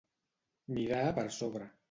Mirar per sobre.